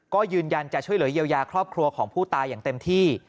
ก็ยืนยันจะช่วยเหลือเยียวยาครอบครัวของผู้ตายอย่างเต็มที่